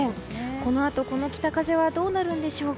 このあと、この北風はどうなるんでしょうか。